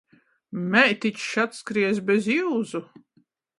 Meitičs atskriejs bez iuzu.